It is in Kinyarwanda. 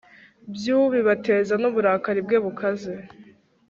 bw ubibateza n uburakari bwe bukaze